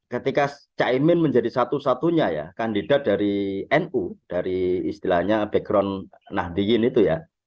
ketika caimin menjadi satu satunya ya kandidat dari nu dari istilahnya background nahdiyin itu ya